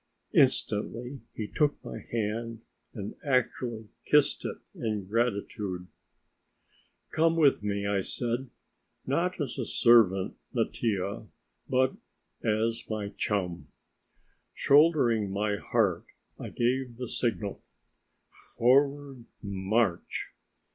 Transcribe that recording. Instantly he took my hand and actually kissed it in gratitude. "Come with me," I said; "not as a servant, Mattia, but as my chum." Shouldering my harp, I gave the signal: "Forward, march!"